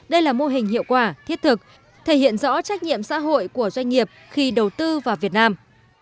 đây là mô hình hiệu quả thiết thực thể hiện rõ trách nhiệm xã hội của doanh nghiệp khi đầu tư vào việt nam